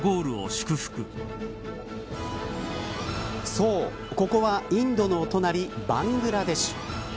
そう、ここはインドのお隣バングラデシュ。